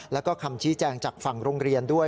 แล้วก็คำชี้แจงจากฝั่งโรงเรียนด้วย